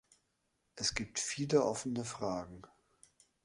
Es gibt viele offene Fragen.